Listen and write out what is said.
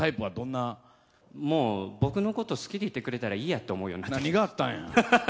もう、僕のこと好きでいてくれたらいいやって思うようになってきて。